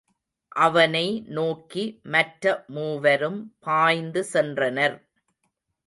அவனை நோக்கி மற்ற மூவரும் பாய்ந்து சென்றனர்.